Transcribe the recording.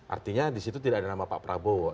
artinya di situ tidak ada nama pak prabowo